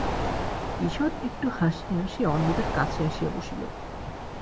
ঈষৎ একটু হাসিয়া সে অন্নদার কাছে আসিয়া বসিল।